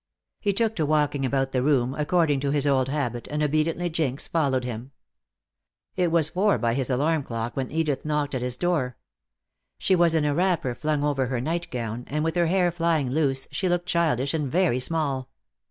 He took to walking about the room, according to his old habit, and obediently Jinx followed him. It was four by his alarm clock when Edith knocked at his door. She was in a wrapper flung over her nightgown, and with her hair flying loose she looked childish and very small.